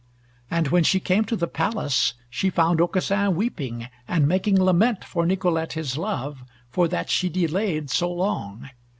And when she came to the Palace she found Aucassin weeping, and making lament for Nicolete his love, for that she delayed so long.